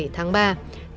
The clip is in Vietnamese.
trầm và trơn